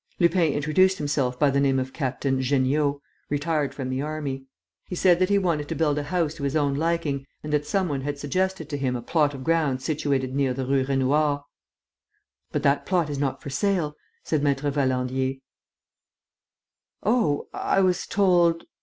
Lupin introduced himself by the name of Captain Jeanniot, retired from the army. He said that he wanted to build a house to his own liking and that some one had suggested to him a plot of ground situated near the Rue Raynouard. "But that plot is not for sale," said Maître Valandier. "Oh, I was told...."